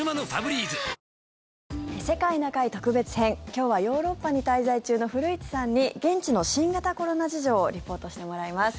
今日はヨーロッパに滞在中の古市さんに現地の新型コロナ事情をリポートしてもらいます。